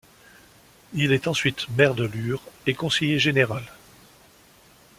Il est ensuite maire de Lure et conseiller général.